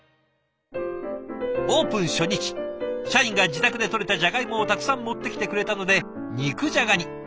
オープン初日社員が自宅でとれたじゃがいもをたくさん持ってきてくれたので肉じゃがに。